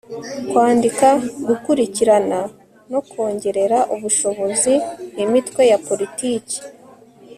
kwandika, gukurikirana no kongerera ubushobozi imitwe ya politiki